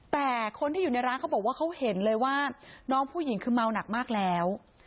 แต่คนที่อยู่ในร้านเขาบอกว่าเขาเห็นเลยว่าน้องผู้หญิงคือเมาหนักมากแล้ว